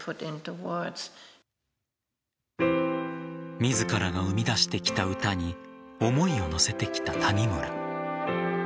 自らが生み出してきた歌に思いを乗せてきた谷村。